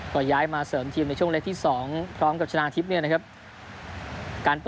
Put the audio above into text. ก็ย้ายมาเสริมทีมในช่วงเล็กที่๒พร้อมกับชนะทิพย์เนี่ยนะครับ